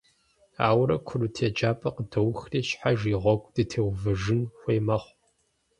Ауэрэ курыт еджапӀэр къыдоухри, щхьэж и гъуэгу дытеувэжын хуей мэхъу.